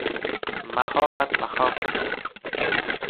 مخافت مخافة